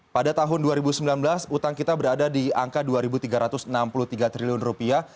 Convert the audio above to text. pada tahun dua ribu sembilan belas utang kita berada di angka dua tiga ratus enam puluh tiga triliun rupiah